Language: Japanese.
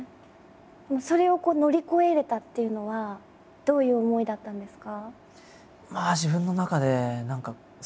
でもそれを乗り越えれたっていうのはどういう思いだったんですか？